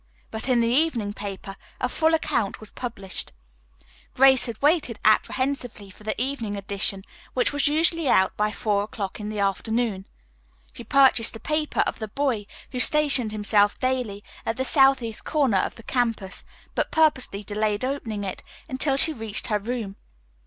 But in the evening paper a full account was published. Grace had waited apprehensively for the evening edition, which was usually out by four o 'clock in the afternoon. She purchased a paper of the boy who stationed himself daily at the southeast corner of the campus, but purposely delayed opening it until she reached her room.